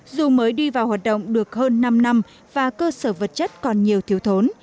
dù mới đi vào hoạt động được hơn năm năm và cơ sở vật chất còn nhiều thiếu thốn